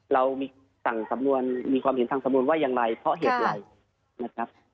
เรามีความเห็นทางสำนวนว่าอย่างไรเพราะเหตุไหร่นะครับ